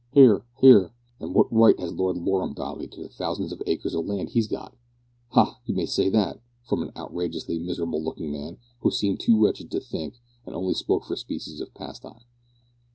(Hear! hear!) "An' what right has Lord Lorrumdoddy to the thousands of acres of land he's got?" (`Ha! you may say that!' from an outrageously miserable looking man, who seemed too wretched to think, and only spoke for a species of pastime.)